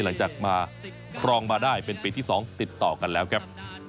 หลังจากมาครองมาได้เป็นปีที่๒ติดต่อกันแล้วครับ